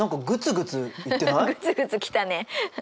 グツグツきたね。